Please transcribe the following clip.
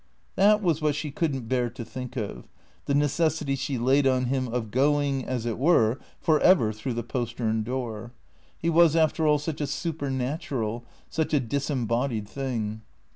That was what she could n't bear to think of, the necessity she laid on him of going, as it were, for ever through the postern door. He was after all such a supernatural, such a disembodied thing.